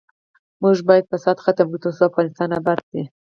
موږ باید فساد ختم کړو ، ترڅو افغانستان اباد شي.